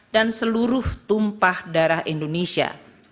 dan seluruh tumpah darah indonesia